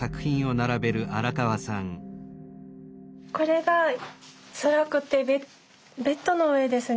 これがつらくてベッドの上ですね